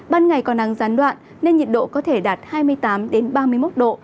ban ngày còn năng gián đoạn nên nhiệt độ có thể đạt hai mươi tám ba mươi một độ và ba mươi ba mươi ba độ